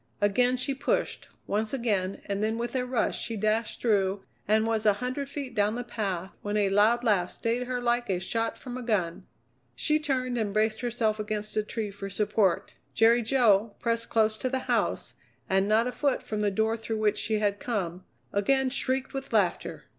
Again she pushed, once again, and then with a rush she dashed through and was a hundred feet down the path when a loud laugh stayed her like a shot from a gun. She turned and braced herself against a tree for support. Jerry Jo, pressed close to the house and not a foot from the door through which she had come, again shrieked with laughter.